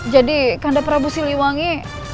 jadi kanda prabu siliwangi